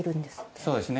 そうですね。